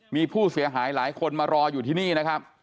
มีผู้เสียหายหลายคนมารออยู่ที่นี่นะครับ